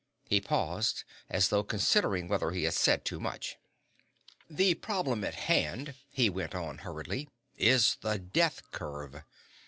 He paused, as though considering whether he had said too much. "The problem at hand," he went on hurriedly, "is the death curve.